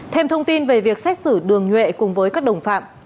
thêm thông tin về việc xét xử đường nhuệ cùng với các đồng phạm